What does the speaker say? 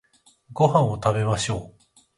ご飯を食べましょう